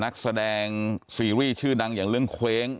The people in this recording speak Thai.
นักแสดงซีรีส์ชื่อดังอย่างเรื่องเคว้ง